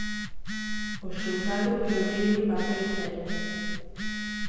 O xulgado pioneiro en papel cero.